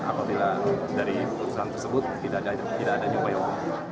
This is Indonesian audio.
apabila dari putusan tersebut tidak ada nyoba hukum